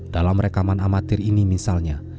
dalam rekaman amatir ini misalnya